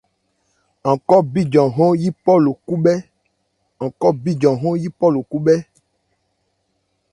An khɔ́ bíjan hɔ́n yípɔ ló khúbhɛ́.